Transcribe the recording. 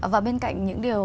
và bên cạnh những điều